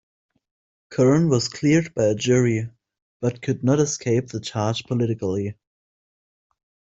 Curran was cleared by a jury, but could not escape the charge politically.